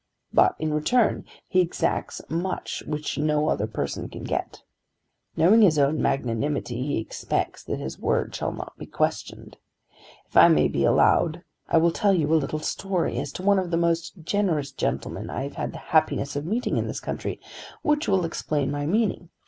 But in return he exacts much which no other person can get. Knowing his own magnanimity he expects that his word shall not be questioned. If I may be allowed I will tell a little story as to one of the most generous gentlemen I have had the happiness of meeting in this country, which will explain my meaning."